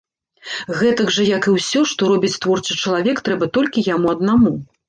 Гэтак жа, як і ўсё, што робіць творчы чалавек, трэба толькі яму аднаму.